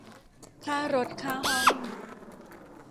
ค่ารถค่าห้อง